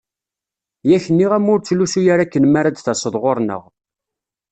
Yak nniɣ-am ur ttlusu ara akken mi ara d-taseḍ ɣur-neɣ.